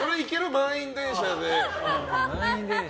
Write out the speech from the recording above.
満員電車で。